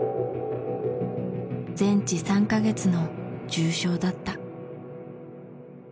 全治３か月の重傷だった。